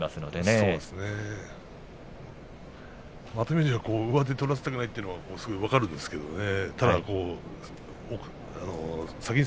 富士は上手を取らせないというのがすぐ分かるんですけどね。